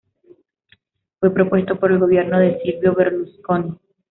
Fue propuesto por el gobierno de Silvio Berlusconi.